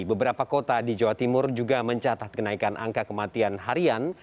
beberapa kota di jawa timur juga mencatat kenaikan angka kematian harian